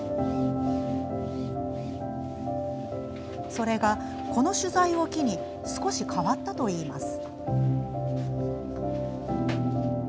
それが、この取材を機に少し変わったといいます。